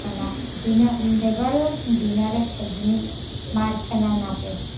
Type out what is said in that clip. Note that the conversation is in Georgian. მდებარეობს მდინარე თეძმის მარცხენა ნაპირზე.